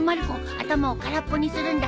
頭を空っぽにするんだ。